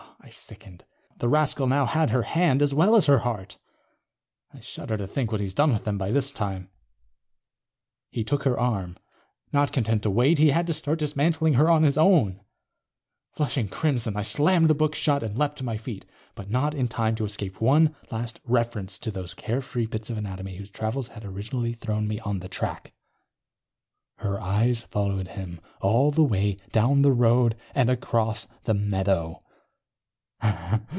_ I sickened. The rascal now had her hand, as well as her heart. I shudder to think what he's done with them, by this time. ... he took her arm. Not content to wait, he had to start dismantling her on his own. Flushing crimson, I slammed the book shut and leaped to my feet. But not in time to escape one last reference to those carefree bits of anatomy whose travels had originally thrown me on the track: _... her eyes followed him all the way down the road and across the meadow.